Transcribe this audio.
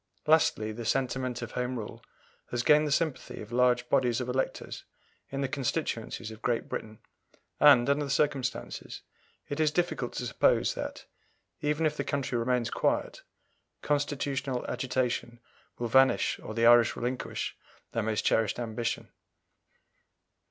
Lastly, the sentiment of Home Rule has gained the sympathy of large bodies of electors in the constituencies of Great Britain, and, under the circumstances, it is difficult to suppose that, even if the country remains quiet, constitutional agitation will vanish or the Irish relinquish their most cherished ambition.